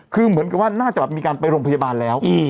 คือเหมือนกับว่าน่าจะแบบมีการไปโรงพยาบาลแล้ว